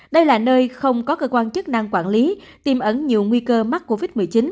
đây là nơi không có cơ quan chức năng quản lý tiêm ẩn nhiều nguy cơ mắc covid một mươi chín